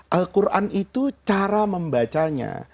al quran itu cara membacanya